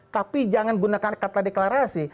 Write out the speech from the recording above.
tapi jangan gunakan kata deklarasi